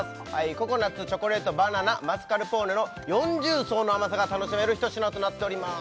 ココナッツチョコレートバナナマスカルポーネの四重奏の甘さが楽しめる一品となっております